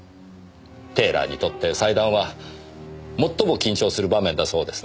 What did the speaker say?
テーラーにとって裁断は最も緊張する場面だそうですね。